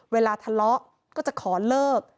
เวลาทะเลาะก็จะขอเลิก